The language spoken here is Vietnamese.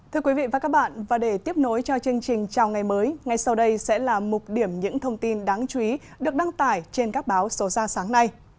thưa quý vị và các bạn và để tiếp nối cho chương trình chào ngày mới ngay sau đây sẽ là mục điểm những thông tin đáng chú ý được đăng tải trên các báo số ra sáng nay